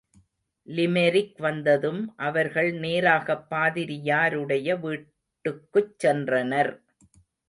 Limerick வந்ததும் அவர்கள் நேராகப் பாதிரியாருடைய வீட்டுக்குச் சென்றனர்.